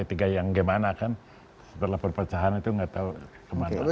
p tiga yang gimana kan setelah perpecahan itu nggak tahu kemana